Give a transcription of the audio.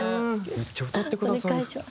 めっちゃ歌ってくださる。